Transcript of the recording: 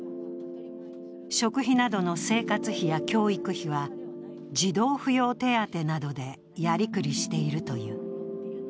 食費などの生活費や教育費は児童扶養手当などでやり繰りしているという。